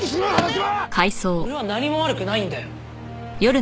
俺は何も悪くないんだよ。